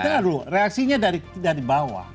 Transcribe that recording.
tapi reaksinya dari bawah